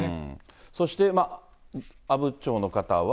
そして、阿武町の方は。